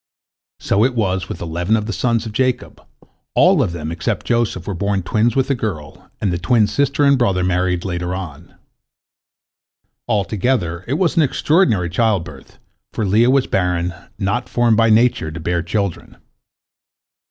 So it was with eleven of the sons of Jacob, all of them except Joseph were born twins with a girl, and the twin sister and brother married later on. Altogether it was an extraordinary childbirth, for Leah was barren, not formed by nature to bear children.